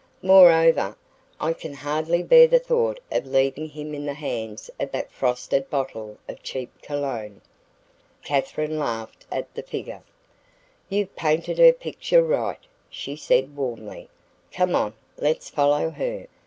Moreover, I can hardly bear the thought of leaving him in the hands of that frosted bottle of cheap Cologne." Katherine laughed at the figure. "You've painted her picture right," she said warmly. "Come on, let's follow her.